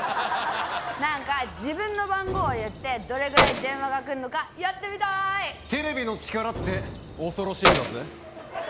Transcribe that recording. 何か自分の番号言ってどれぐらい電話がくんのかやってみたいテレビの力って恐ろしいんだぜ